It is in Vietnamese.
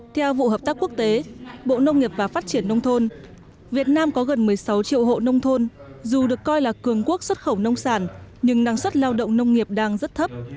theo vụ hợp tác quốc tế bộ nông nghiệp và phát triển nông thôn việt nam có gần một mươi sáu triệu hộ nông thôn dù được coi là cường quốc xuất khẩu nông sản nhưng năng suất lao động nông nghiệp đang rất thấp